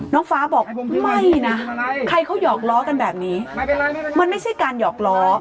น้องฟ้าบอกไม่นะใครเขาหยอกล้อกันแบบนี้มันไม่ใช่การหยอกล้อ